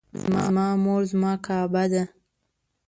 زما مور زما کعبه ده